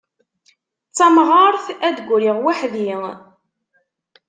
D tamɣart a d-griɣ weḥd-i.